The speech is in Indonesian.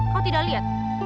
kau tidak lihat